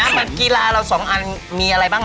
อะไรนะกิฬาของเรา๒อันมีอะไรบ้างนะ